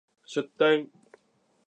出店